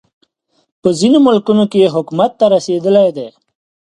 په ځینو ملکونو کې حکومت ته رسېدلی دی.